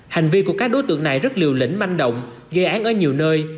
hành vi của các đối tượng này rất liều lĩnh manh động gây án ở nhiều nơi